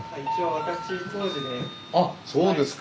あっそうですか。